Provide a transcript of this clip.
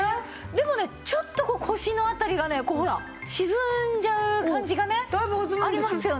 でもねちょっと腰の辺りがねほら沈んじゃう感じがねありますよね。